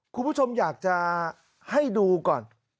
คุณผู้ชมอยากจะให้ดูก่อน